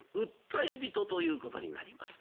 訴え人ということになります。